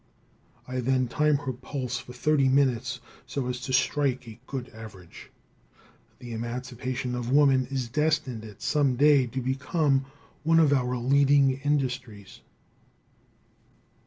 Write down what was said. I then time her pulse for thirty minutes, so as to strike a good average. The emancipation of woman is destined at some day to become one of our leading industries.